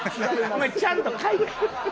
ちゃんと書いて。